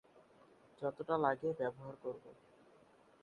যতটা লাগে, ব্যবহার করবো।